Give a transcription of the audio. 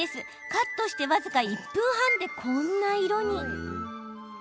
カットして僅か１分半でこんな色に。